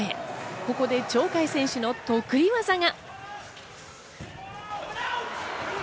ここで鳥海選手の得意技が。